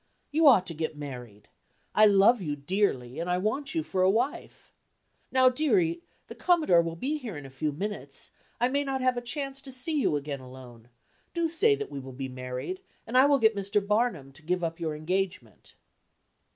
You ought to get married; I love you dearly, and I want you for a wife. Now, deary, the Commodore will be here in a few minutes, I may not have a chance to see you again alone; do say that we will be married, and I will get Mr. Barnum to give up your engagement."